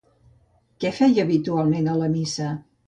Què feia habitualment a la missa?